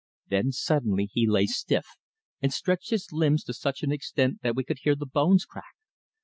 Then suddenly he lay stiff, and stretched his limbs to such an extent that we could hear the bones crack.